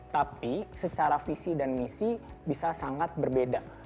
tapi secara visi dan misi bisa sangat berbeda